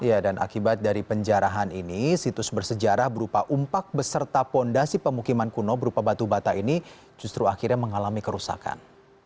ya dan akibat dari penjarahan ini situs bersejarah berupa umpak beserta fondasi pemukiman kuno berupa batu bata ini justru akhirnya mengalami kerusakan